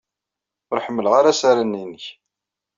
Ur ḥemmleɣ ara asaran-nnek.